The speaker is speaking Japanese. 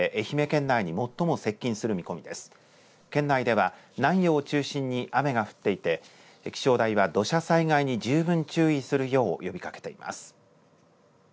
県内では南予を中心に雨が降っていて気象台は土砂災害に十分注意するよう呼びかけています。